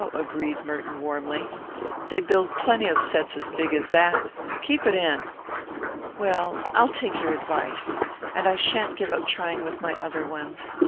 agreed Merton warmly. "They build plenty of sets as big as that. Keep it in!" "Well, I'll take your advice. And I shan't give up trying with my other ones.